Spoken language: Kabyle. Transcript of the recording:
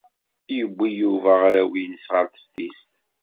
Yewwi Yuba arraw-nnes ɣer teftist.